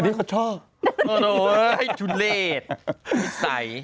อันนี้เขาชอบโอ้โฮเฮ้ยฉุนเลศพิสัย